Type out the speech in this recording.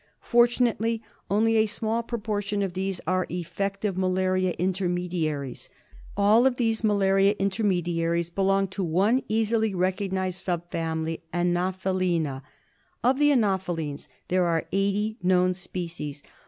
Fortunately, only a small proportion of these are effective malaria intermediaries. All of these malaria intermediaries belong to one easily recognised sub family — Anophelina. Of the anophelines there are eighty known species.